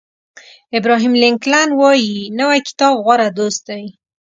ابراهیم لینکلن وایي نوی کتاب غوره دوست دی.